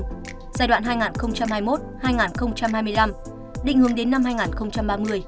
giai đoạn hai nghìn hai mươi một hai nghìn hai mươi năm định hướng đến năm hai nghìn ba mươi